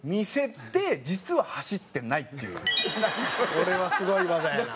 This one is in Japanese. これはすごい技やな。